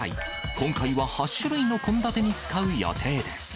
今回は８種類の献立に使う予定です。